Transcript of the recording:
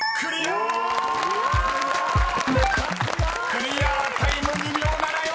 ［クリアタイム２秒７４］